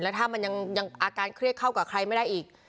ถ้ามันยังอาการเครียดเข้ากับใครไม่ได้อีก